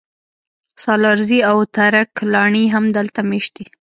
سالارزي او ترک لاڼي هم دلته مېشت دي